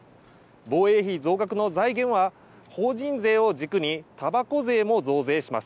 防衛費増額の財源は法人税を軸にたばこ税も増税します。